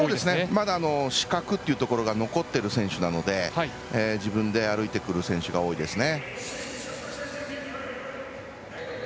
まだ視覚っていうところが残っている選手なので自分で歩いてくる選手が多いですね。